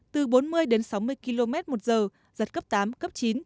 từ bốn mươi đến sáu mươi km một giờ giật cấp tám cấp chín